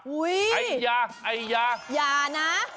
อุ๊ยอย่าอย่าอย่านะ